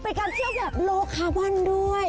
เป็นการเที่ยวแบบโลคาร์บอนด้วย